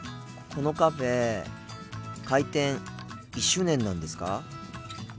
このカフェ開店１周年なんですか？